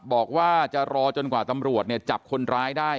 บอกว่าจะรอจนกว่าตำรวจจับคนร้ายได้